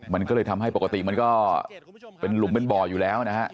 มันก็เลยทำให้ปกติมันก็เป็นหลุมเป็นบ่ออยู่แล้วนะฮะ